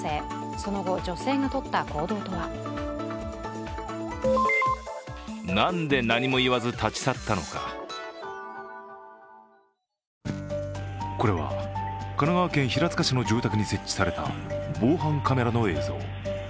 その後、女性がとった行動とはこれは、神奈川県平塚市の住宅に設置された防犯カメラの映像。